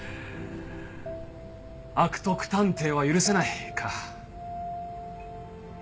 「悪徳探偵は許せない」か。